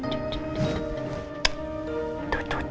tuh tuh tuh